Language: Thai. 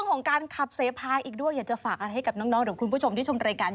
กินเข้าไปเลยดินจิ้งหรีด